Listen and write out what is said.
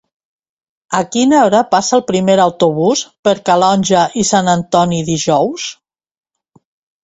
A quina hora passa el primer autobús per Calonge i Sant Antoni dijous?